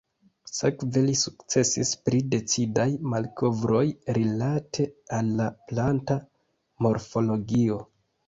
Sekve li sukcesis pri decidaj malkovroj rilate al la planta morfologio.